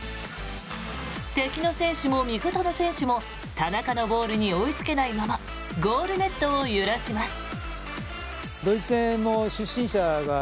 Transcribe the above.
敵の選手も味方の選手も田中のゴールに追いつけないままゴールネットを揺らします。